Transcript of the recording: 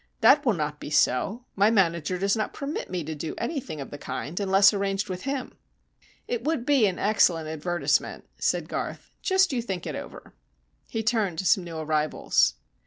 "That will not be so. My manager does not permit me to do anything of that kind, unless arranged with him." "It would be an excellent advertisement," said Garth. "Just you think it over." He turned to some new arrivals.